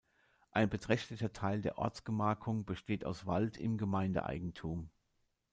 Ein beträchtlicher Teil der Ortsgemarkung besteht aus Wald in Gemeindeeigentum.